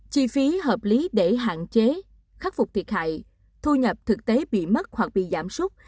chi phí hợp lý để hạn chế khắc phục thiệt hại thu nhập thực tế bị mất hoặc bị giảm súc